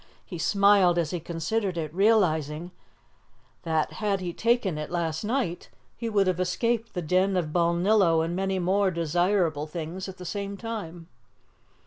He smiled as he considered it, realizing that, had he taken it last night, he would have escaped the Den of Balnillo and many more desirable things at the same time.